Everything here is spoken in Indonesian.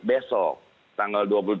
besok tanggal dua puluh dua